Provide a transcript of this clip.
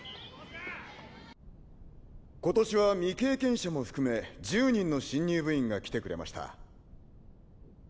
今年は未経験者も含め１０人の新入部員が来てくれました。